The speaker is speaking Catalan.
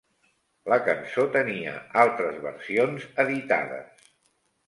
La cançó tenia altres versions editades.